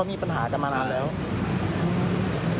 พี่อุ๋ยพ่อจะบอกว่าพ่อจะรับผิดแทนลูก